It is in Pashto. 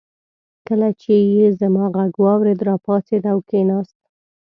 کله چې يې زما غږ واورېد راپاڅېد او کېناست.